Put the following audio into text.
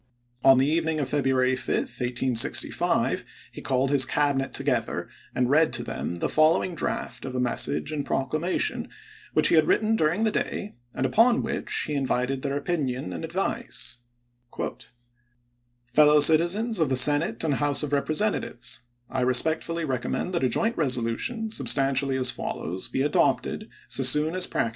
On the evening of February 5, 1865, he called his Cabinet together and read to them the following draft of a message and proclamation, which he had written during the day, and upon which he invited their opinion and advice : Fellow citizens of the Senate and House of Represent atives : I respectfully recommend that a joint resolution, substantially as follows, be adopted, so soon as practi Feb.